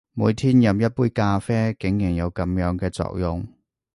每天飲一杯咖啡，竟然有噉樣嘅作用！